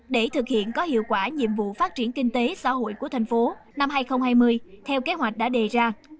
để thực hiện có hiệu quả nhiệm vụ phát triển kinh tế xã hội của thành phố năm hai nghìn hai mươi theo kế hoạch đã đề ra